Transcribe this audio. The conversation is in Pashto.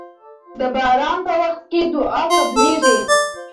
د باران په وخت کې دعا قبليږي.